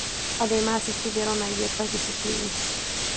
Además se estudiaron allí otras disciplinas.